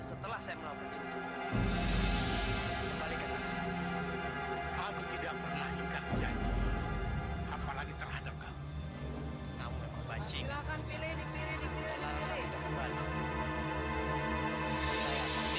setan kesel maju maju jangan banyak banyak kalau emang berani lawan buah muda cabut